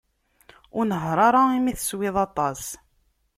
Ur nehher ara mi teswiḍ aṭas.